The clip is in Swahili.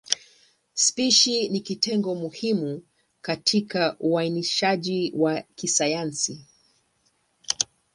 Spishi ni kitengo muhimu katika uainishaji wa kisayansi.